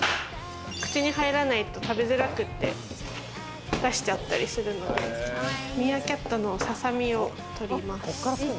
口に入らないと食べづらくて出しちゃったりするので、ミーアキャットのササミを取ります。